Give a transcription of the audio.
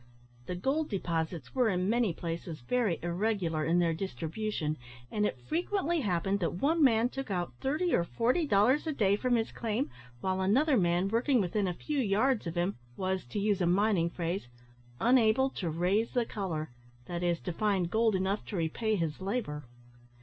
The gold deposits were in many places very irregular in their distribution, and it frequently happened that one man took out thirty or forty dollars a day from his claim, while another man, working within a few yards of him, was, to use a mining phrase, unable "to raise the colour;" that is, to find gold enough to repay his labour.